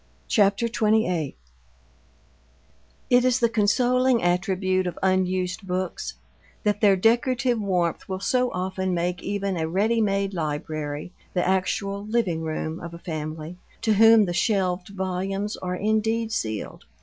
CHAPTER XXVIII It is the consoling attribute of unused books that their decorative warmth will so often make even a ready made library the actual "living room" of a family to whom the shelved volumes are indeed sealed.